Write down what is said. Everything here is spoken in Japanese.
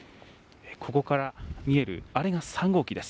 ここから見えるあれが３号機です。